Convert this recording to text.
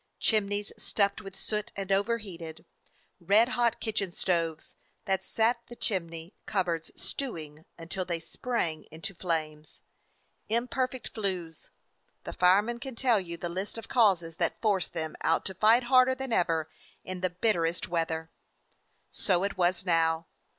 Chimneys stuffed with soot and overheated; red hot kitchen stoves, that set the chimney cupboards stewing until they sprang into 267 DOG HEROES OF MANY LANDS flames; imperfect flues — the firemen can tell you the list of causes that force them out to fight harder than ever in the bitterest weather. So it was now.